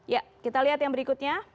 ya kita lihat yang berikutnya